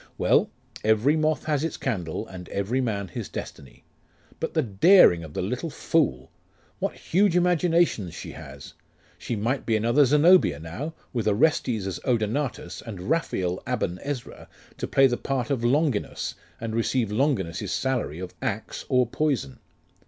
Well, every moth has its candle, and every man his destiny. But the daring of the little fool! What huge imaginations she has! She might be another Zenobia, now, with Orestes as Odenatus, and Raphael Aben Ezra to play the part of Longinus, and receive Longinus's salary of axe or poison.